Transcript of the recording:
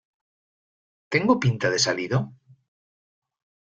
¿ tengo pinta de salido?